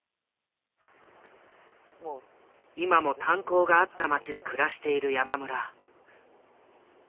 今も炭鉱があった町で暮らしている山村。